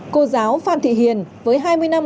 cô giáo phan thị hiền với hai mươi năm